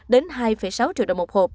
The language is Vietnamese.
đến hai sáu triệu đồng một hộp